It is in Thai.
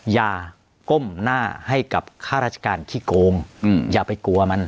อย่าก้มหน้าให้กับข้าราชการขี้โกงอย่าไปกลัวมัน